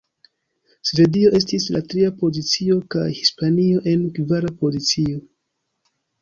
Svedio estis en tria pozicio, kaj Hispanio en kvara pozicio.